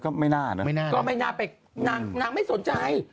ก็ไม่น่าไปนางไม่สนใจ